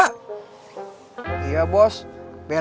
yang dipikirin itu gimena cara ngagalin mereka berdua